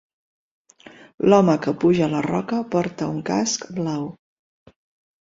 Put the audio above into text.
L'home que puja a la roca porta un casc blau.